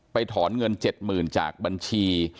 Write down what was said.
ไปถอนเงิน๗หมื่นจากบัญชี